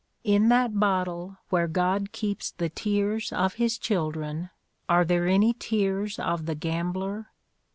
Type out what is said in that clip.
In that bottle where God keeps the tears of his children, are there any tears of the gambler?